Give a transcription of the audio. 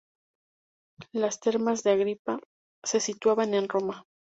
Las termas de agripa se situaban en Roma